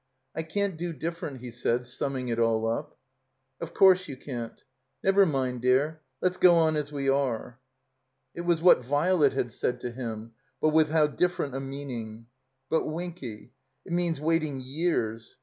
'*I can't do different," he said, summing it all up. 0f course, you can't. Never mind, dear. Let's go on as we are." It was what Violet had said to him, but with how different a meaning ! But Winky — it means waiting years.